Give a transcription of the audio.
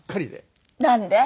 なんで？